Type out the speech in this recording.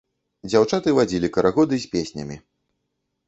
Дзяўчаты вадзілі карагоды з песнямі.